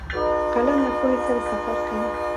قلم له پوهې سره سفر کوي